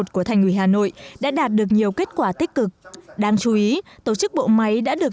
của thành ủy hà nội đã đạt được nhiều kết quả tích cực đáng chú ý tổ chức bộ máy đã được